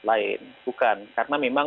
lain bukan karena memang